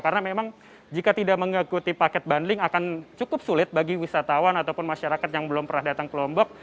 karena memang jika tidak mengikuti paket bundling akan cukup sulit bagi wisatawan ataupun masyarakat yang belum pernah datang ke lombok